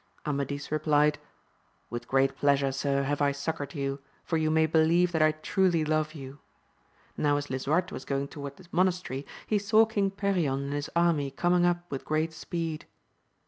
Amadis replied, With great pleasure, sir, have I succoured you, for you may believe that I truly love you. Now as Lisuarte was going toward the monastery, he saw Eang Perion and his army coming up with great speed.